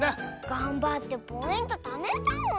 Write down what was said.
がんばってポイントためたのに。